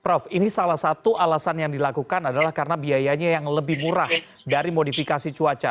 prof ini salah satu alasan yang dilakukan adalah karena biayanya yang lebih murah dari modifikasi cuaca